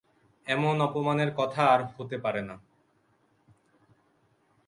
এমন অপমানের কথা আর হতে পারে না।